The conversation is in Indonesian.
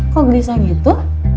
kok bisa gitu